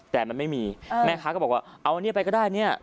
แต่มันไม่มีมามี